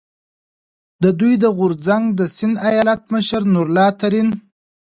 د دوی د غورځنګ د سیند ایالت مشر نور الله ترین،